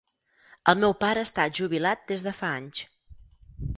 El meu pare està jubilat des de fa anys.